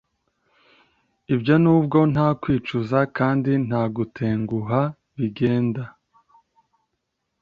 ibyo nubwo nta kwicuza kandi nta gutenguha bigenda